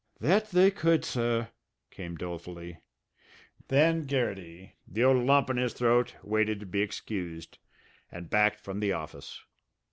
"That they could, sir," came dolefully. Then Garrity, the old lump in his throat, waited to be excused, and backed from the office.